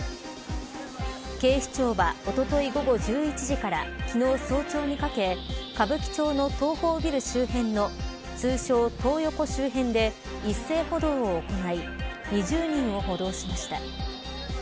警視庁はおととい午後１１時から昨日、早朝にかけ歌舞伎町の東宝ビル周辺の通称トー横周辺で一斉補導を行い２０人を補導しました。